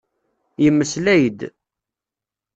Yemmeslay-d.